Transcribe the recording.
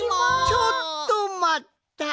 ちょっとまった！